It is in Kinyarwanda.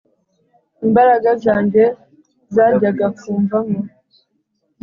imbaraga zanjye zajyaga kumvamo